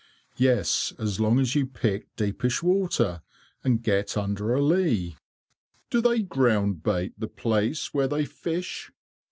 "Yes, as long as you pick deepish water, and get under a lee." "Do they groundbait the place where they fish?"